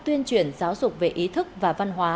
tuyên truyền giáo dục về ý thức và văn hóa